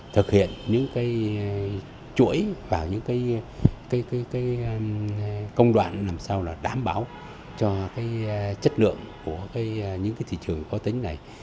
thực hiện những cái chuỗi và những cái công đoạn làm sao là đảm bảo cho cái chất lượng của những cái thị trường có tính này